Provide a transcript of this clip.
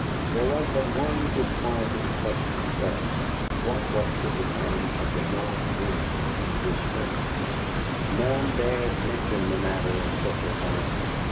There was but one disquieting question left: What was to become of the North Wind and his friends? None dared mention the matter at such a time.